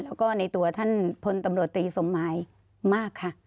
แล้วก็ในตัวท่านพลตำรวจตีสมหมายมากค่ะ